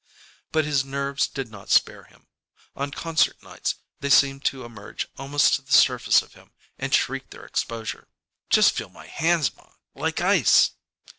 But his nerves did not spare him. On concert nights they seemed to emerge almost to the surface of him and shriek their exposure. "Just feel my hands, ma. Like ice."